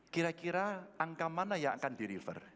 kira kira angka mana yang akan di refer